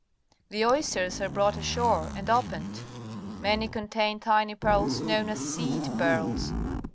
The oysters are brought ashore and opened. Many contain tiny pearls known as "seed pearls.''